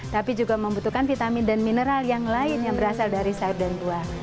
tapi juga membutuhkan vitamin dan mineral yang lain yang berasal dari sayur dan buah